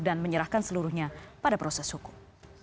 dan menyerahkan seluruhnya pada proses hukum